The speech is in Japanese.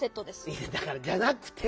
いやだからじゃなくて！